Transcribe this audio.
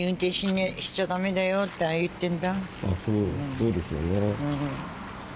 そうですよね。